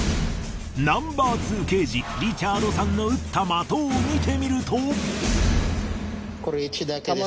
Ｎｏ．２刑事リチャードさんの撃った的を見てみると。